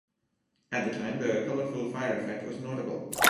At the time, the colorful fire effect was notable.